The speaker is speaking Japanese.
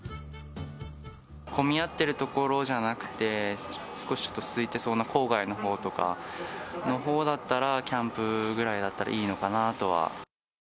混み合ってる所じゃなくて、少しちょっとすいてそうな郊外のほうとかのほうだったら、キャンプぐらいだったらいいのかなとは。